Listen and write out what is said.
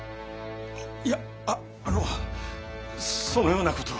いやあっあのそのようなことは。